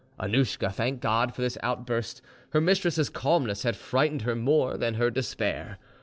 Annouschka thanked God for this outburst; her mistress's calmness had frightened her more than her despair.